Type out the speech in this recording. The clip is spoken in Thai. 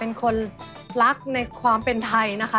เป็นคนรักในความเป็นไทยนะคะ